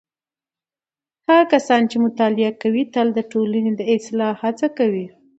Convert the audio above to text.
هغه کسان چې مطالعه کوي تل د ټولنې د اصلاح هڅه کوي.